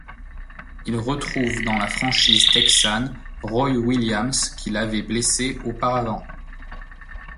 Il retrouve dans la franchise texane Roy Williams qui l'avait blessé auparavant.